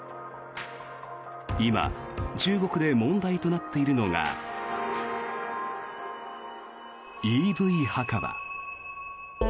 今、中国で問題となっているのがＥＶ墓場。